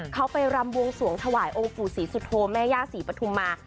เขาไปรำบวงสวงถวายองค์ปู่ศรีสุโธแม่ย่าศรีปฐุมมา